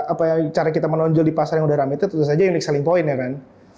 apa ya cara kita menonjol di pasar yang udah rame itu tentu saja unik selling point ya kan